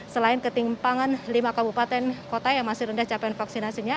selain ketimpangan lima kabupaten kota yang masih rendah capaian vaksinasinya